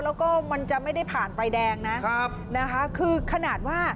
แล้วก็มันจะไม่ได้ผ่านไฟแดงนะครับนะคะคือขนาดว่า